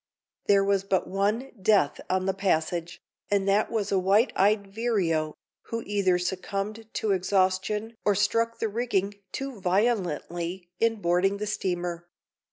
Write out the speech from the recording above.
There was but one death on the passage, and that was a white eyed vireo, who either succumbed to exhaustion or struck the rigging too violently in boarding the steamer.